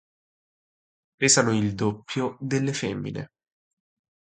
Pesano il doppio delle femmine.